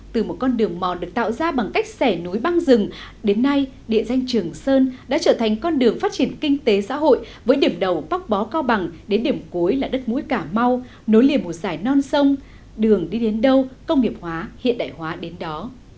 từ một con đường mòn được tạo ra bằng cách xẻ núi băng rừng đến nay địa danh trường sơn đã trở thành con đường phát triển kinh tế xã hội với điểm đầu bóc bó cao bằng đến điểm cuối là đất mũi cà mau nối liềm một dải non sông đường đi đến đâu công nghiệp hóa hiện đại hóa đến đó